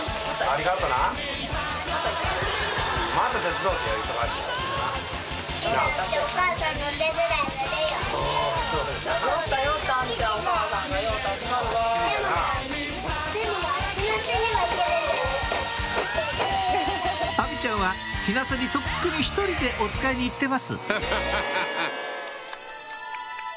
あみちゃんは日生にとっくに１人でおつかいに行ってます